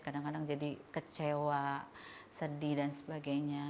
kadang kadang jadi kecewa sedih dan sebagainya